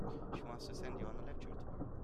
She wants to send you on a lecture tour.